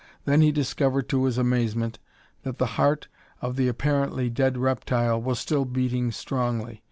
Then he discovered to his amazement that the heart of the apparently dead reptile was still beating strongly.